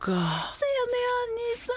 せやねアニさん。